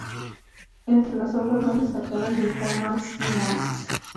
Entre las obras más destacadas está "Max y Moritz".